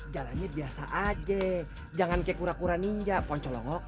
jalannya biasa aja jangan kayak kura kura ninja poncolongok